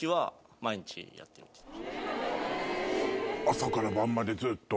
朝から晩までずっと？